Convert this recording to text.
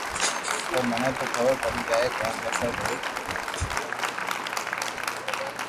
پر مني تو خبر پڙي جائين ڪونڪھ سب ايڪ